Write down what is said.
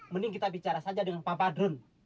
mending kita bicara saja dengan pak badrun